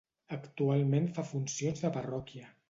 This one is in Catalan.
Actualment fa funcions de parròquia.